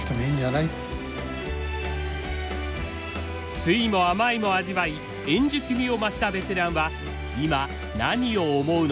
酸いも甘いも味わい円熟味を増したベテランは今何を思うのか？